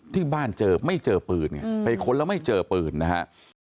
ที่บ้านเจอไม่เจอปืนไงไปค้นแล้วไม่เจอปืนนะฮะ